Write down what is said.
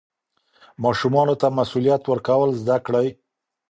ماشومانو ته مسوولیت ورکول زده کړئ.